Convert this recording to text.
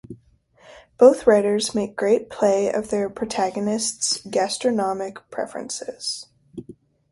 Both writers make great play of their protagonists' gastronomic preferences.